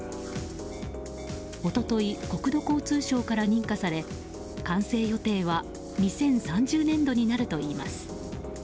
一昨日、国土交通省から認可され完成予定は２０３０年度になるといいます。